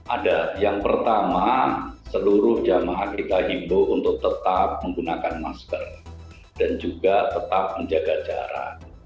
ada yang pertama seluruh jamaah kita himbo untuk tetap menggunakan masker dan juga tetap menjaga jarak